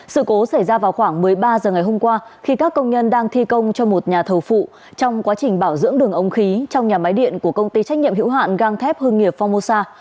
sự cố xảy ra vào khoảng một mươi ba h ngày hôm qua khi các công nhân đang thi công cho một nhà thầu phụ trong quá trình bảo dưỡng đường ống khí trong nhà máy điện của công ty trách nhiệm hữu hạn găng thép hương nghiệp phongmosa